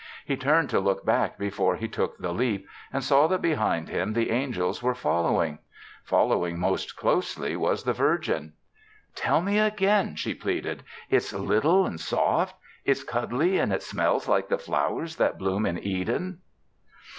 He turned to look back before he took the leap and saw that behind him the angels were following. Following most closely was the Virgin. "Tell me again," she pleaded. "It's little and soft. It's cuddly and it smells like the flowers that bloom in Eden."